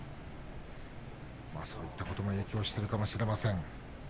そういったことも影響しているかもしれません。